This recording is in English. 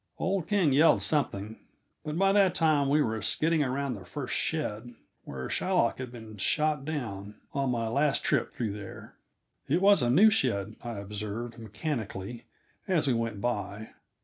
Old King yelled something, but by that time we were skidding around the first shed, where Shylock had been shot down on my last trip through there. It was a new shed, I observed mechanically as we went by.